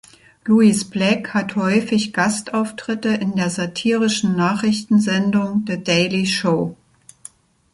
Lewis Black hat häufig Gastauftritte in der satirischen Nachrichtensendung The Daily Show.